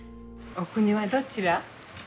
お国はどちら？